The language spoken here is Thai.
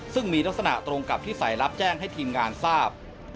ซึ่งมีลักษณะตรงกับที่สายรับแจ้งให้ทีมงานทราบ